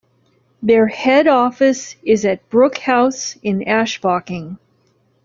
Their head office is at Brooke House in Ashbocking.